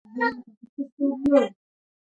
زردالو د بامیان او غزني مهم محصول دی.